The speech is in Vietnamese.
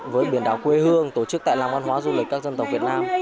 với biển đảo quê hương tổ chức tại làng văn hóa du lịch các dân tộc việt nam